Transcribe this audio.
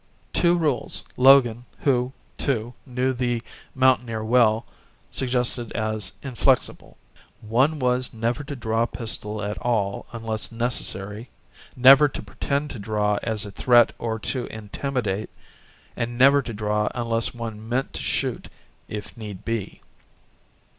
Two rules, Logan, who, too, knew the mountaineer well, suggested as inflexible. One was never to draw a pistol at all unless necessary, never to pretend to draw as a threat or to intimidate, and never to draw unless one meant to shoot, if need be.